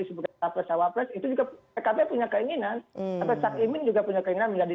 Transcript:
sebagai capres cawapres itu juga pkb punya keinginan sampai cak imin juga punya keinginan menjadi